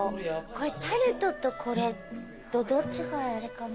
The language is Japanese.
これタルトとこれとどっちがあれかな？